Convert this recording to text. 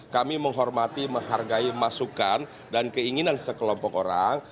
kami menghormati menghargai masukan dan keinginan sekelompok orang